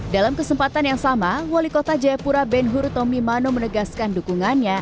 dalam kesempatan yang sama wali kota jayapura ben huru tomi mano menegaskan dukungannya